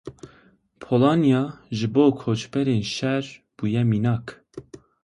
Polanya ji bo koçberên şer bûye mînak.